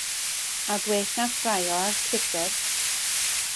A gwell na ffraeo ar Twitter.